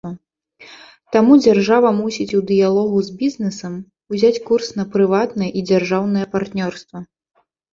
Таму дзяржава мусіць у дыялогу з бізнэсам узяць курс на прыватнае і дзяржаўнае партнёрства.